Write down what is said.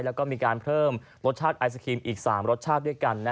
แล้วก็มีการเพิ่มรสชาติไอศครีมอีก๓รสชาติด้วยกัน